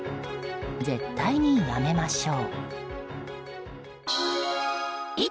絶対にやめましょう。